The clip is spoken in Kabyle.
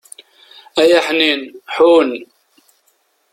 Ay Aḥnin, ḥun!